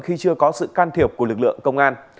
khi chưa có sự can thiệp của lực lượng công an